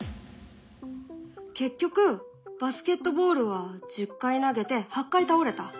結局バスケットボールは１０回投げて８回倒れた。